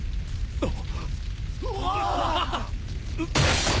あっ！